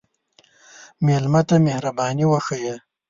مېلمه ته مهرباني وښیه.